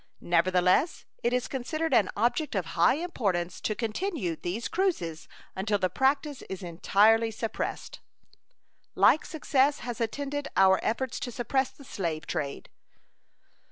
Nevertheless, it is considered an object of high importance to continue these cruises until the practice is entirely suppressed. Like success has attended our efforts to suppress the slave trade.